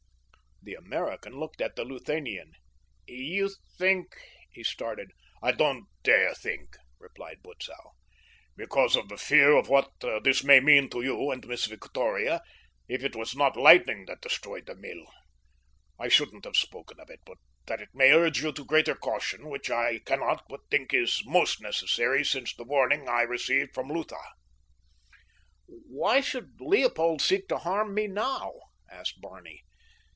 The American looked at the Luthanian. "You think—" he started. "I don't dare think," replied Butzow, "because of the fear of what this may mean to you and Miss Victoria if it was not lightning that destroyed the mill. I shouldn't have spoken of it but that it may urge you to greater caution, which I cannot but think is most necessary since the warning I received from Lutha." "Why should Leopold seek to harm me now?" asked Barney.